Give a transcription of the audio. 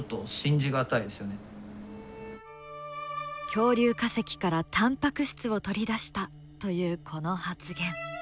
恐竜化石からタンパク質を取り出したというこの発言。